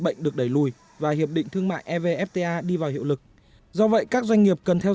bệnh được đẩy lùi và hiệp định thương mại evfta đi vào hiệu lực do vậy các doanh nghiệp cần theo